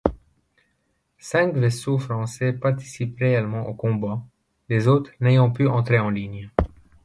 Cinq vaisseaux français participent réellement au combat, les autres n'ayant pu entrer en ligne.